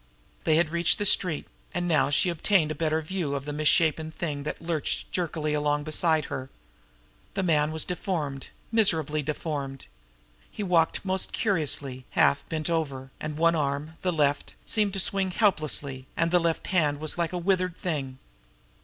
They had reached the street now, and now she obtained a better view of the misshapen thing that lurched jerkily along beside her. The man was deformed, miserably deformed. He walked most curiously, half bent over; and one arm, the left, seemed to swing helplessly, and the left hand was like a withered thing.